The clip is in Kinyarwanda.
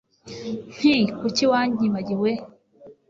nti kuki wanyibagiwe